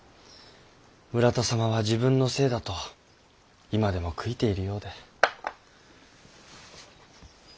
村田様は自分のせいだと今でも悔いているようで。